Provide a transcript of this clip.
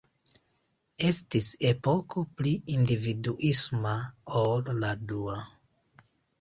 Estis epoko pli individuisma ol la dua.